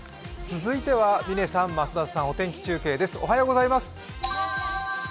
続いては嶺さん、増田さん、お天気中継です。